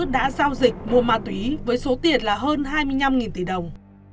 đã giao dịch mua ma túy với số tiền là hơn hai mươi năm tỷ đồng